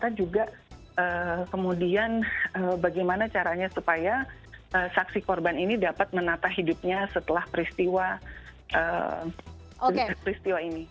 kita juga kemudian bagaimana caranya supaya saksi korban ini dapat menata hidupnya setelah peristiwa ini